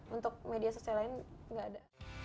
untuk media sosial lain nggak ada